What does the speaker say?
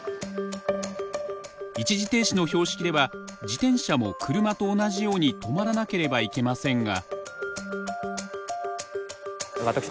一時停止の標識では自転車も車と同じように止まらなければいけませんが。